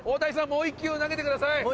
もう１球投げてください！